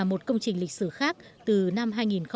một công trình lịch sử khác từ năm hai nghìn một mươi